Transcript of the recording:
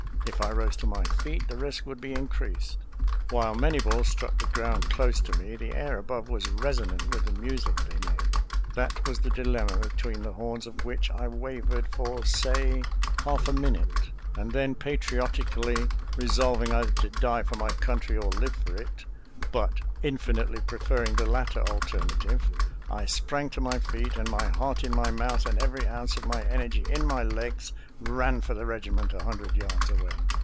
If I rose to my feet, the risk would be increased. While many balls struck the ground close to me, the air above was resonant with the music they HOT SKIRMISH— WOUNDED 267 made. That was the dilemma between the horns of which I wavered, for say, half a minute; and then, patriotically resolving either to die for my country or live for it, — but infinitely pre ferring the latter alternative, — I sprang to my feet, and, my heart in my mouth and every ounce of my energy in my legs, ran for the regiment, a hundred yards away.